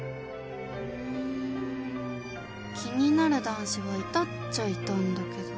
気になる男子はいたっちゃいたんだけど